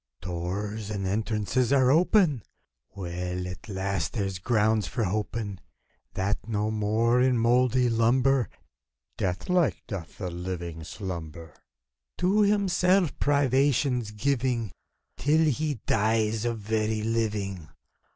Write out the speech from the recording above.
Doors and entrances are open ! Well, — at last there's ground for hoping That no more, in mouldy lumber. Death like, doth the Living slumber. To himself privations giving. Till he dies of very living!